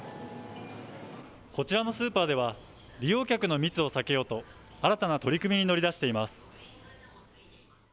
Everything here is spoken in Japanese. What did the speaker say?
こちらのスーパーでは、利用客の密を避けようと、新たな取り組みに乗り出しています。